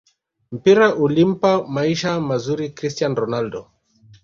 mpira ulimpa maisha mazuri cristian ronaldo